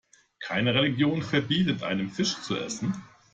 Keine Religion verbietet einem, Fisch zu essen.